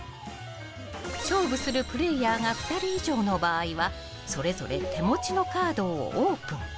勝負するプレーヤーが２人以上の場合はそれぞれ手持ちのカードをオープン。